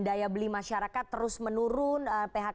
daya beli masyarakat terus menurun phkm ini bisa menurun atau tidak